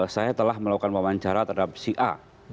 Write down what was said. saya telah melakukan wawancara terhadap si a